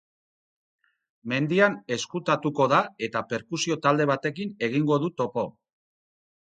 Mendian ezkutatuko da eta perkusio talde batekin egingo du topo.